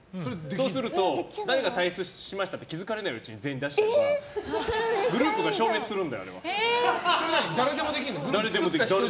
そうすると誰が退出しましたって気づかれないうちに全員出しちゃうとグループが消滅するの。